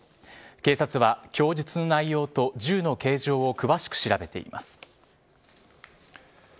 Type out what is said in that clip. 警察は、供述の内容と銃の形状を詳しく調べています。